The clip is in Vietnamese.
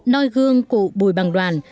nói gương cụ bùi bằng đoàn